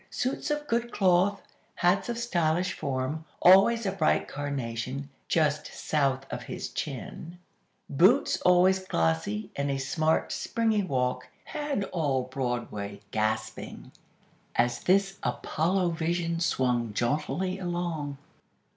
Suits of good cloth, hats of stylish form, always a bright carnation "just south of his chin," boots always glossy, and a smart, springy walk, had all Broadway gasping as this Apollo vision swung jauntily along.